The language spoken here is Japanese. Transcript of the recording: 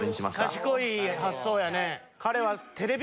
賢い発想やね。